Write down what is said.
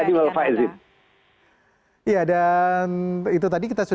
minal aidin wa'alaikumsalam